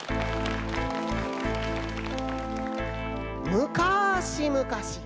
むかしむかし